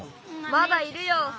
まだいるよ！